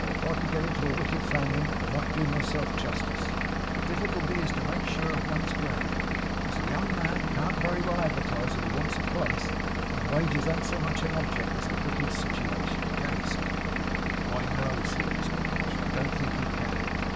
If I could get into a wicked family, I might do myself justice; but the difficulty is to make sure of one's ground, because a young man can't very well advertise that he wants a place, and wages an't so much an object as a wicked sitivation; can he, sir?' 'Why, no,' said Mr Pinch, 'I don't think he can.